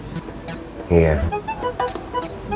bapak dateng kan pas pernikahan sobri